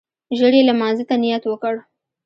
ژر يې لمانځه ته نيت وکړ.